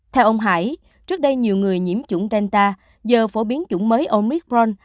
theo ông hải trước đây nhiều người nhiễm trùng delta giờ phổ biến trùng mới omicron